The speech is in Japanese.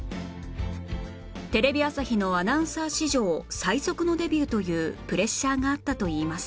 テレビ朝日のアナウンサー史上最速のデビューというプレッシャーがあったといいます